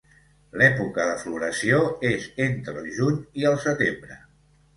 L'època de floració és entre el Juny i el Setembre.